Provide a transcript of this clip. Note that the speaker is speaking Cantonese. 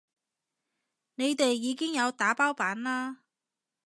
你哋已經有打包版啦